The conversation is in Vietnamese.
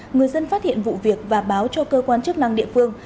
người dân phát hiện vụ việc và báo cho cơ quan chức năng địa phương